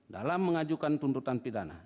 dalam mengajukan tuntutan pidana